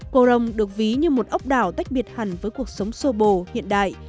crong được ví như một ốc đảo tách biệt hẳn với cuộc sống sô bồ hiện đại